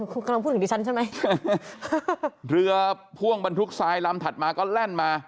คุณกำลังพูดถึงดิฉันใช่ไหมเรือพ่วงบรรทุกทรายลำถัดมาก็แล่นมา